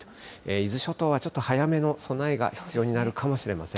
伊豆諸島はちょっと早めの備えが必要になるかもしれません。